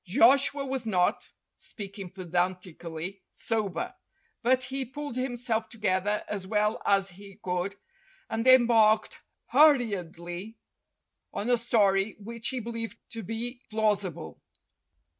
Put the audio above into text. Joshua was not, speaking pedantically, sober. But he pulled himself together as well as he could and embarked hurriedly on a story which he believed to be plausible.